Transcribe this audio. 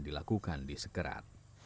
dilakukan di sekerat